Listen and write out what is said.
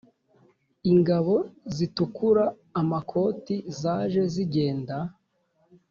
ingabo zitukura-amakoti zaje zigenda